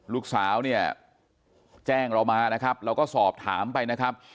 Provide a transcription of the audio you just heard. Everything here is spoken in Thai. ลูกสาวเนี่ยแจ้งเรามานะครับเราก็สอบถามไปนะครับ